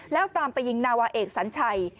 แล้วตามไปยิงนาวาเอกสัญชัย